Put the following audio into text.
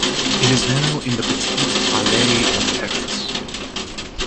It is now in the Petit Palais in Paris.